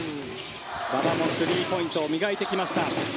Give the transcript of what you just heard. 馬場もスリーポイントを磨いてきました。